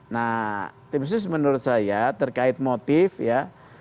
nah tim sus menurut saya terkait motif ya